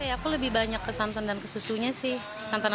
aku lebih banyak ke santan dan ke susunya sih